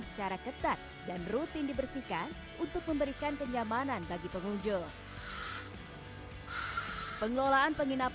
secara ketat dan rutin dibersihkan untuk memberikan kenyamanan bagi pengunjung pengelolaan penginap